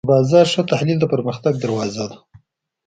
د بازار ښه تحلیل د پرمختګ دروازه ده.